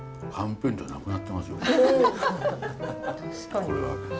これは。